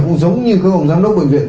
không giống như các ông giám đốc bệnh viện